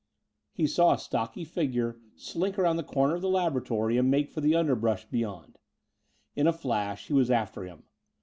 He saw a stocky figure slink around the corner of the laboratory and make for the underbrush beyond. In a flash he was after him.